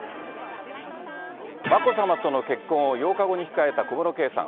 眞子さまとの結婚を８日後に控えた小室圭さん。